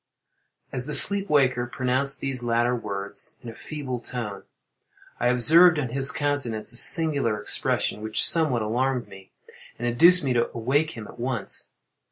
As the sleep waker pronounced these latter words, in a feeble tone, I observed on his countenance a singular expression, which somewhat alarmed me, and induced me to awake him at once.